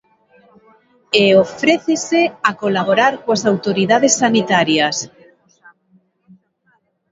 E ofrécese a colaborar coas autoridades sanitarias.